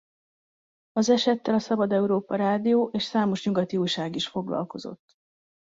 Az esettel a Szabad Európa Rádió és számos nyugati újság is foglalkozott.